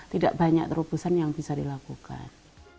tidak banyak terobosan yang bisa dilakukan